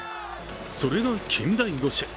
それが近代五種。